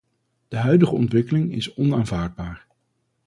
De huidige ontwikkeling is onaanvaardbaar.